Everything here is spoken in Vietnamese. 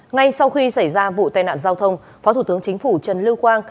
ngay sau khi xảy ra vụ tai nạn giao thông phó thủ tướng chính phủ trần lưu quang